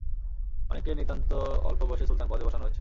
অনেককেই নিতান্ত অল্প বয়সে সুলতান পদে বসানো হয়েছে।